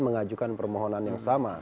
mengajukan permohonan yang sama